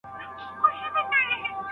استاد باید له خپل توان سره سم شاګردان ومني.